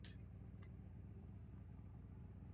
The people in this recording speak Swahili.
tangu mubarak aachie madaraka tarehe kumi na moja mwezi huu